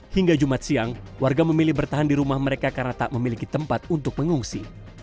hingga jumat siang warga memilih bertahan di rumah mereka karena tak memiliki tempat untuk mengungsi